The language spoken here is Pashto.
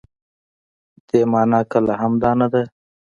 دې مانا کله هم دا نه ده.